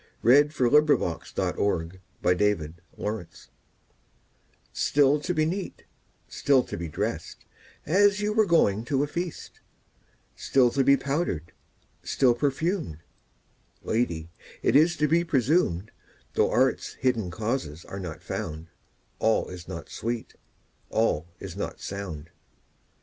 1573–1637 186. Simplex Munditiis STILL to be neat, still to be drest, As you were going to a feast; Still to be powder'd, still perfumed: Lady, it is to be presumed, Though art's hid causes are not found, 5 All is not sweet, all is not sound.